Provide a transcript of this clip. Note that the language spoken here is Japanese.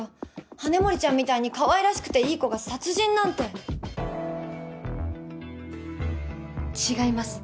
羽森ちゃんみたいにかわいらしくていい子が殺人なんて違います。